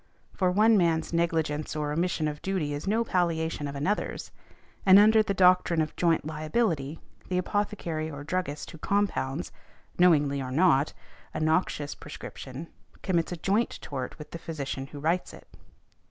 For one man's negligence or omission of duty is no palliation of another's, and under the doctrine of joint liability the apothecary or druggist who compounds, knowingly or not, a noxious prescription, commits a joint tort with the physician who writes it .